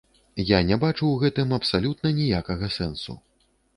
Я не бачу ў гэтым абсалютна ніякага сэнсу.